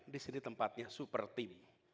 disini tempatnya super team